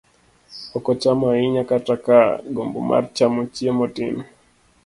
ok ochamo ahinya kata ka gombo mar chamo chiemo tin.